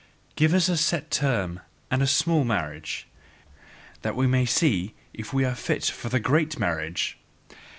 "Give us a set term and a small marriage, that we may see if we are fit for the great marriage!